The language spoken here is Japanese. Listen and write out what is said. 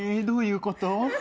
どういうこと？